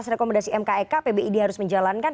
rekomendasi mkek pbid harus menjalankan